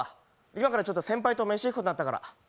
今からちょっと先輩を飯行くことになったから。